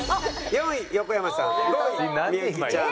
４位横山さん５位幸ちゃん